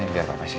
ini biar papa sih